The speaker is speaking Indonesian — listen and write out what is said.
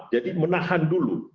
jadi menahan dulu